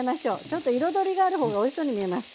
ちょっと彩りがある方がおいしそうに見えます。